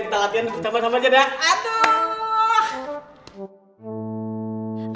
kita latihan kita samar samar jatuh